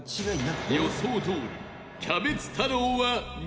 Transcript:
予想どおりキャベツ太郎は２位なのか？